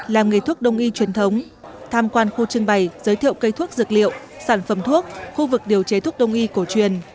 làm nghề thuốc đông y truyền thống tham quan khu trưng bày giới thiệu cây thuốc dược liệu sản phẩm thuốc khu vực điều chế thuốc đông y cổ truyền